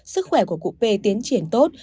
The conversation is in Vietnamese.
sức khỏe của cụ p tiến triển tốt